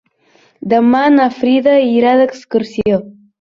Demà na Frida irà d'excursió.